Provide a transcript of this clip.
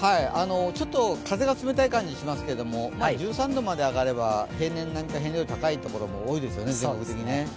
ちょっと風が冷たい感じしますけど１３度まで上がれば、平年並みか平年より高いところも多いですよね。